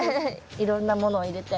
いろんなものを入れて。